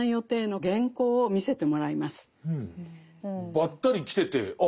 ばったり来ててああ